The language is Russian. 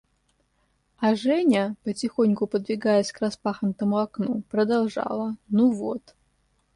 А Женя, потихоньку подвигаясь к распахнутому окну, продолжала: – Ну вот!